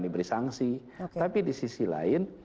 diberi sanksi tapi di sisi lain